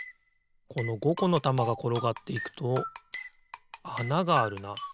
この５このたまがころがっていくとあながあるな。